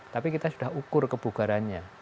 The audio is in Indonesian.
tapi kita sudah ukur kebugarannya